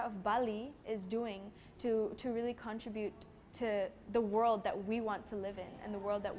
untuk memberikan kontribusi kepada dunia yang ingin kita hidupkan dan yang ingin kita lihat